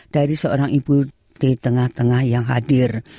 dari seorang ibu di tengah tengah yang hadir